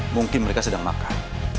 mungkin mereka sedang makan